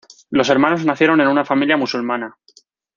Los hermanos nacieron en una familia musulmana.